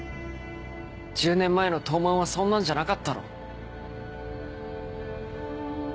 １０年前の東卍はそんなんじゃなかったろ。